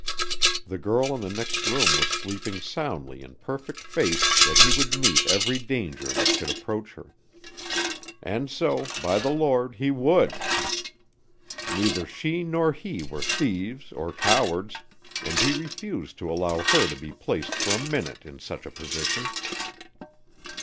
The girl in the next room was sleeping soundly in perfect faith that he would meet every danger that should approach her. And so, by the Lord, he would. Neither she nor he were thieves or cowards, and he refused to allow her to be placed for a minute in such a position.